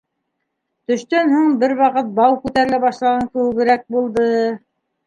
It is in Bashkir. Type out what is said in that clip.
Төштән һуң бер ваҡыт бау күтәрелә башлаған кеүегерәк булды.